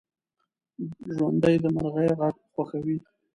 ژوندي د مرغیو غږ خوښوي